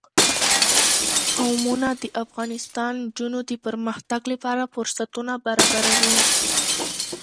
قومونه د افغان نجونو د پرمختګ لپاره فرصتونه برابروي.